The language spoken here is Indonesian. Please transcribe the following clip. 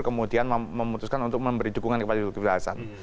kemudian memutuskan untuk memberi dukungan kepada dulu kepilasan